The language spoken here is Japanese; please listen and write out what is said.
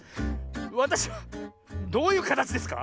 わたしはどういうかたちですか？